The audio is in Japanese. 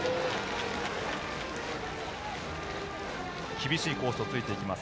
厳しいコースを突いていきます